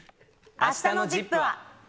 あしたのＺＩＰ！は。